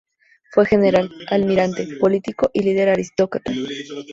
Fue general, almirante, político y líder aristócrata.